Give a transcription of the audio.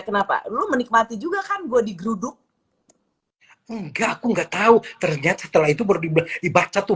kenapa lu menikmati juga kan gua digeruduk enggak aku enggak tahu ternyata setelah itu baru dibaca tuh